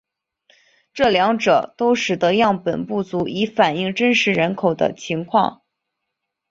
这两者都使得样本不足以反映真实人口的情况。